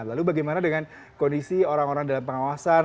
lalu bagaimana dengan kondisi orang orang dalam pengawasan